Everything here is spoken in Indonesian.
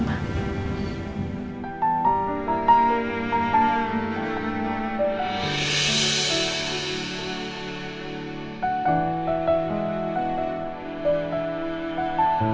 dan di mata hukum